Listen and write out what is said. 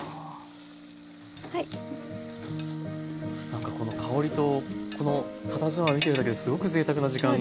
何かこの香りとこのたたずまいを見ているだけですごくぜいたくな時間を。